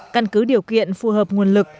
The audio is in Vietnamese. căn cứ điều kiện phù hợp nguồn lực